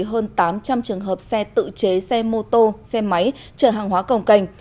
hơn tám trăm linh trường hợp xe tự chế xe mô tô xe máy chở hàng hóa cồng cành